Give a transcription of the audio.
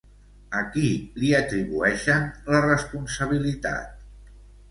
A qui li atribueixen la responsabilitat?